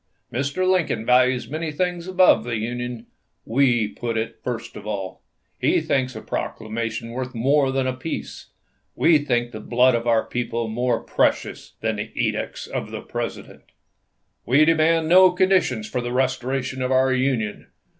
Mr. Lincoln values many things above the Union ; we put it first of all. He thinks a proclamation worth more than peace ; we think the blood of our people more precious than the edicts of the President. .. We demand no conditions for the restoration of our Union.